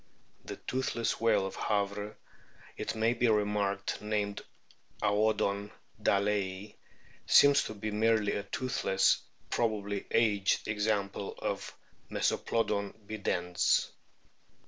The Toothless whale of Havre, it may be remarked, named Aodon dalei, seems to be merely a toothless, probably aged, example of Mesoplodon bidens.